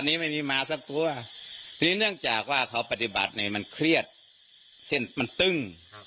อันนี้ไม่มีหมาสักตัวทีนี้เนื่องจากว่าเขาปฏิบัตินี้มันเครียดทริกที่มันตึง